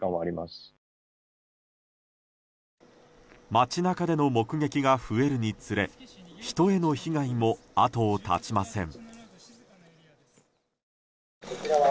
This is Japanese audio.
街中での目撃が増えるにつれ人への被害も後を絶ちません。